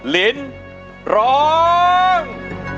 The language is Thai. ลินร้อง